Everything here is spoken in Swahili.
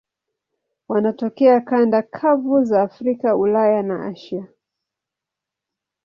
Wanatokea kanda kavu za Afrika, Ulaya na Asia.